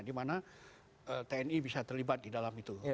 dimana tni bisa terlibat di dalam itu